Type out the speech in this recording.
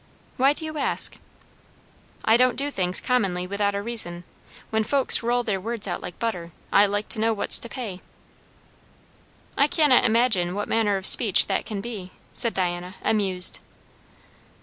"Why do you ask?" "I don't do things commonly without a reason. When folks roll their words out like butter, I like to know what's to pay." "I cannot imagine what manner of speech that can be," said Diana, amused.